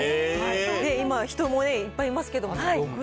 今、人もね、いっぱいいますけど。